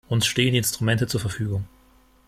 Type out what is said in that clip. Uns stehen die Instrumente zur Verfügung.